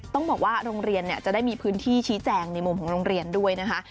ต้องบอกว่าโรงเรียนจะได้มีพื้นที่ชี้แจงในมุมของโรงเรียนด้วยนะคะ